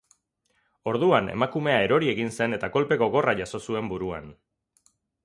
Orduan, emakumea erori egin zen eta kolpe gogorra jaso zuen buruan.